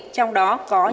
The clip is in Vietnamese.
trong đó có những